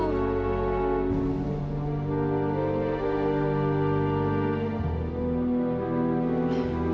karena dia sudah berhenti menghubungi bayi ini